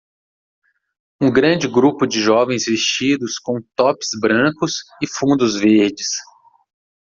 um grande grupo de jovens vestidos com tops brancos e fundos verdes